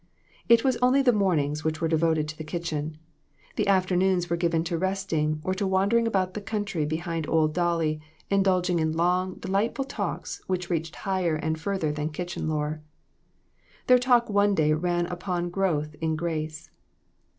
It was only the mornings which were devoted to the kitchen. The afternoons were given to resting or to wandering about the country behind old Dolly, indulging in long, delightful talks which reached higher and further than kitchen lore. Their talk one day ran upon growth in grace.